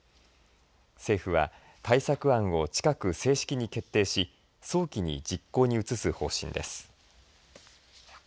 政府は、対策案を近く正式に決定し早期に実行に移す方針です。